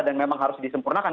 dan memang harus disempurnakan